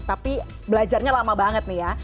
tapi belajarnya lama banget nih ya